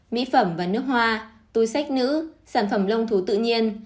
mỹ phẩm và nước hoa túi sách nữ sản phẩm lông thú tự nhiên